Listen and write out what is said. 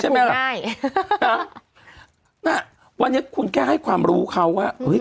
ใช่ไหมล่ะใช่ไหมล่ะง่ายอ่าเนี้ยคุณแก้ให้ความรู้เค้าว่าอื้อ